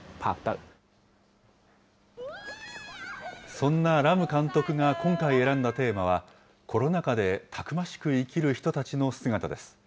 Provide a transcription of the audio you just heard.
そんなラム監督が今回選んだテーマは、コロナ禍でたくましく生きる人たちの姿です。